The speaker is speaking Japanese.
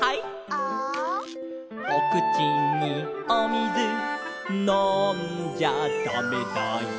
「ア」「おくちにおみずのんじゃだめだよ」